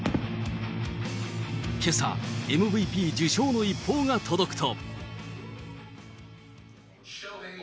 けさ、ＭＶＰ受賞の一報が届くと。